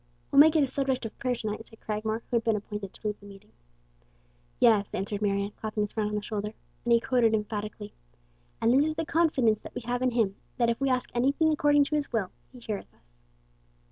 "We'll make it a subject of prayer to night," said Cragmore, who had been appointed to lead the meeting. "Yes," answered Marion, clapping his friend on the shoulder. Then he quoted emphatically: "'And this is the confidence that we have in Him, that if we ask anything according to his will, he heareth us.'"